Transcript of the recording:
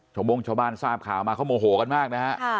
โม่งชาวบ้านทราบข่าวมาเขาโมโหกันมากนะฮะ